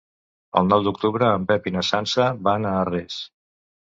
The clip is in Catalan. El nou d'octubre en Pep i na Sança van a Arres.